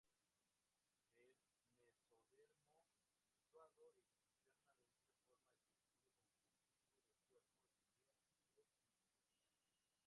El mesodermo situado externamente forma el tejido conjuntivo del cuerpo ciliar y del iris.